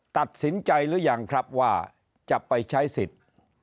ตัดสินใจหรือยังครับว่าจะไปใช้สิทธิ์